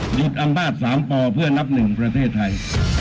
หยุดอำนาจ๓ปเพื่อนับหนึ่งประเทศไทย